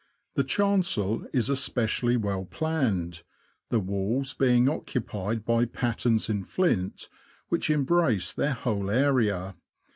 The chancel is especially well planned, the walls being occupied by patterns in flint, which embrace their whole area.